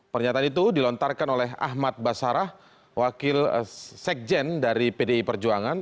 pernyataan itu dilontarkan oleh ahmad basarah wakil sekjen dari pdi perjuangan